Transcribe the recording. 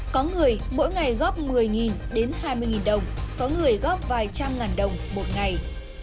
có người mỗi ngày góp một mươi đến hai mươi đồng có người góp vài trăm ngàn đồng một ngày